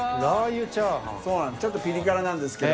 ちょっとピリ辛なんですけど。